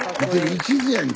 一途やん。